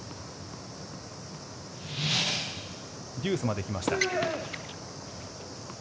デュースまで来ました。